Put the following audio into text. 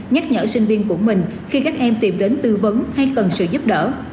nhắc nhở sinh viên của mình khi các em tìm đến tư vấn hay cần sự giúp đỡ